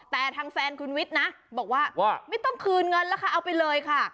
แต่ทางแฟนคุณวิทย์นะบอกว่าไม่ต้องคืนเงินแล้วค่ะเอาไปเลยค่ะ